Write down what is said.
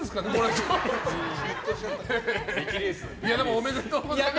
おめでとうございます。